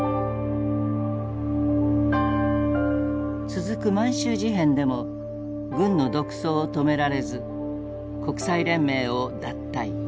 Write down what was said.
続く満州事変でも軍の独走を止められず国際連盟を脱退。